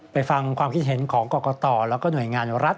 ฟังความคิดเห็นของกรกตแล้วก็หน่วยงานรัฐ